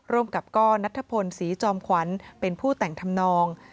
ร่วมกับก้อนัทธพลศรีจอมขวัญเป็นผู้แต่งทำนอง